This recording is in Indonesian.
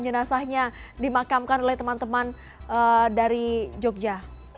jenazahnya dimakamkan oleh teman teman dari jogja